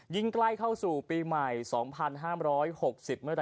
ใกล้เข้าสู่ปีใหม่๒๕๖๐เมื่อไห